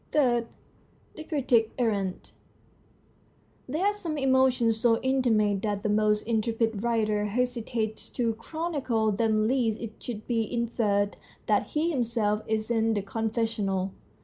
III. THE CRITIC ERRANT There are some emotions so intimate that the most intrepid writer hesitates to chronicle them lest it should be inferred that he himself is in the confessional.